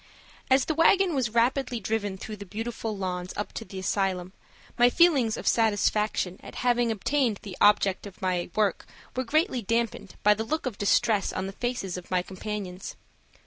AS the wagon was rapidly driven through the beautiful lawns up to the asylum my feelings of satisfaction at having attained the object of my work were greatly dampened by the look of distress on the faces of my companions.